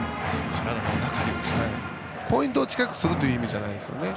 ポイントを近くするという意味じゃないですね。